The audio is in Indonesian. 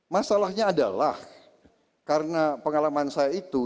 masalahnya adalah karena pengalaman saya itu